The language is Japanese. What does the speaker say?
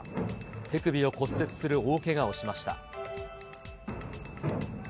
手首を骨折する大けがをしました。